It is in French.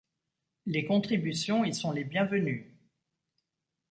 Les contributions y sont les bienvenues.